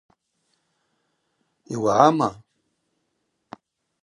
Йуагӏама?